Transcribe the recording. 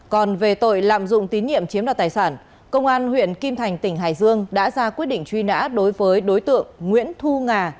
còn về tội lạm dụng tín nhiệm chiếm đoạt tài sản công an huyện kim thành tỉnh hải dương đã ra quyết định truy nã đối với đối tượng nguyễn thu ngà